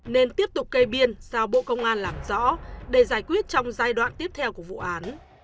nên tiếp tục kê biên sao bộ công an làm rõ để giải quyết trong giai đoạn tiếp theo của vụ án